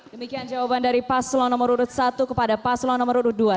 demikian jawaban dari paslon nomor urut satu kepada paslon nomor urut dua